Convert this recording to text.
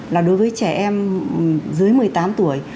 là đối với trẻ em dưới một mươi tám tuổi